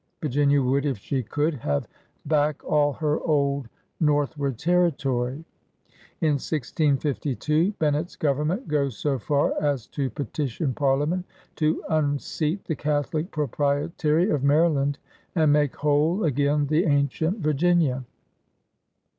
Virginia would, if she could, have back all her old northward territory. In 1652 Bennett's Government goes so far as to petition Parliament to unseat the Catholic Proprietary of Maryland and make whole again the ancient Vir ginia.